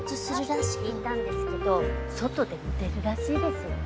さっき聞いたんですけど外でも出るらしいですよ。